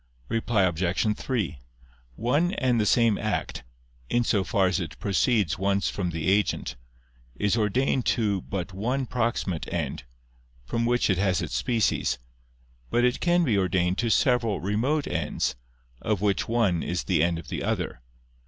Reply Obj. 3: One and the same act, in so far as it proceeds once from the agent, is ordained to but one proximate end, from which it has its species: but it can be ordained to several remote ends, of which one is the end of the other.